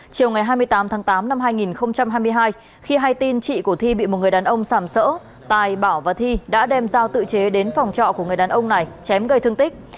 chiều ngày hai mươi tám tháng tám năm hai nghìn hai mươi hai khi hay tin chị của thi bị một người đàn ông sàm sỡ tài bảo và thi đã đem giao tự chế đến phòng trọ của người đàn ông này chém gây thương tích